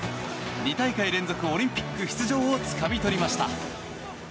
２大会連続オリンピック出場をつかみ取りました。